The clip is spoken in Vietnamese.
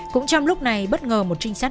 cũng trong lúc này bất ngờ một trinh sát